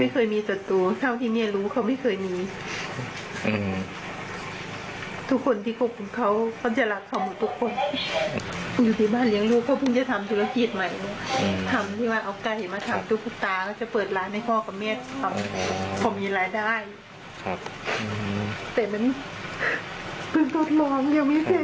เพิ่งกดลองยังไม่เสร็จเลย